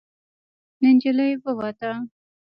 نجلۍ ووته.